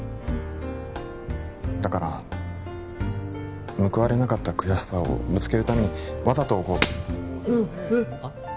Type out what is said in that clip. だから報われなかった悔しさをぶつけるためにわざとはっ？